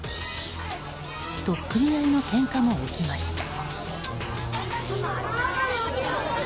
取っ組み合いのけんかも起きました。